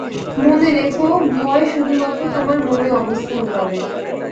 মনে রেখো, ভয় শুধুমাত্র তোমার মনে অবস্থান করে।